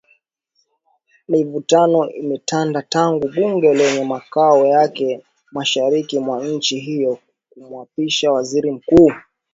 Mivutano imetanda tangu bunge lenye makao yake mashariki mwa nchi hiyo kumwapisha Waziri Mkuu